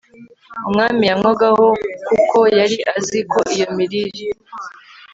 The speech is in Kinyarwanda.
umwami yanywagaho kuko yari azi ko iyo mirire